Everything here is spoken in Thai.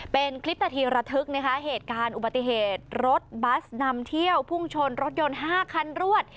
เป็นคลิปนาทีระทึกนะคะเหตุการณ์อุบัติเหตุรถบัสนำเที่ยวพุ่งชนรถยนต์๕คันรวด